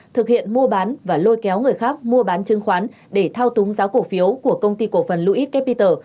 thực hiện mua bán và lôi kéo người khác mua bán chứng khoán để thao túng giá cổ phiếu của công ty cổ phần luis capital